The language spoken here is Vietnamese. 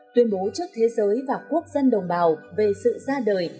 tuyên bố trước thế giới và quốc dân đồng bào về sự ra đời